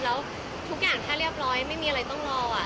แล้วทุกอย่างถ้าเรียบร้อยไม่มีอะไรต้องรอ